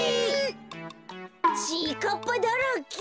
ちぃかっぱだらけ。